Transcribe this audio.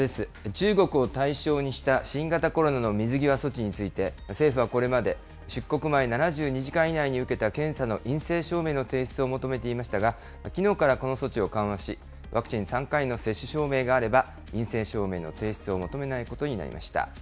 中国を対象にした新型コロナの水際措置について、政府はこれまで出国前７２時間以内に受けた検査の陰性証明の提出を求めていましたが、きのうからこの措置を緩和し、ワクチン３回の接種証明があれば、陰性証明の提出を求めないことになりました。